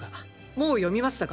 もう読みましたか？